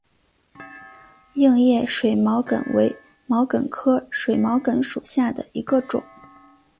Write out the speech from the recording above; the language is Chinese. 硬叶水毛茛为毛茛科水毛茛属下的一个种。